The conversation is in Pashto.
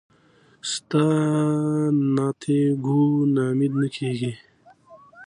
سانتیاګو نا امیده نه کیږي.